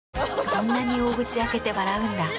そんなに大口開けて笑うんだ。